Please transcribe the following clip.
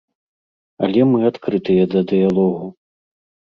Але мы адкрытыя да дыялогу.